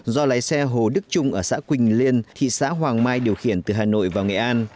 do lái xe hồ đức trung ở xã quỳnh liên thị xã hoàng mai điều khiển từ hà nội vào nghệ an